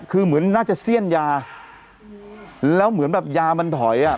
คือเหมือนน่าจะเสี้ยนยาแล้วเหมือนแบบยามันถอยอ่ะ